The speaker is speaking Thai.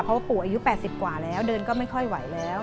เพราะว่าปู่อายุ๘๐กว่าแล้วเดินก็ไม่ค่อยไหวแล้ว